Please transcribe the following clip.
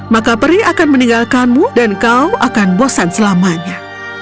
maka peri akan meninggalkanmu dan kau akan bosan selamanya